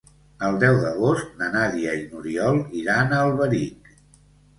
El deu d'agost na Nàdia i n'Oriol iran a Alberic.